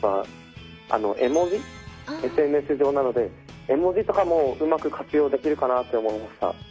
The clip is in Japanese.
ＳＮＳ上なので絵文字とかもうまく活用できるかなって思いました。